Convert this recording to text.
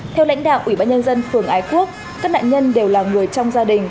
theo lãnh đạo ủy ban nhân dân phường ái quốc các nạn nhân đều là người trong gia đình